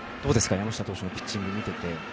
山下投手のピッチングを見てて。